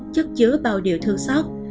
chất chứa bao điều thương xót